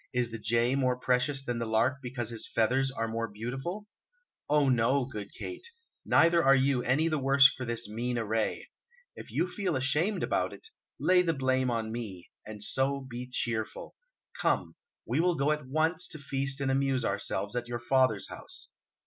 Is the jay more precious than the lark because his feathers are more beautiful? Oh no, good Kate; neither are you any the worse for this mean array. If you feel ashamed about it, lay the blame on me; and so, be cheerful. Come, we will go at once to feast and amuse ourselves at your father's house.